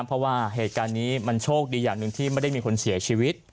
เพราะว่าเหตุการณ์นี้มันโชคดีอย่างหนึ่งที่ไม่ได้มีคนเสียชีวิต